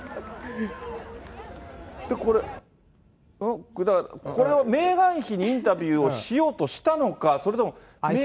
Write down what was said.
で、これ、だから、メーガン妃にインタビューをしようとしたのか、それとも。